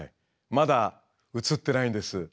まだ映ってないんです。